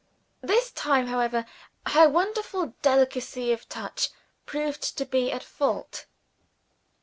This time, however, her wonderful delicacy of touch proved to be at fault.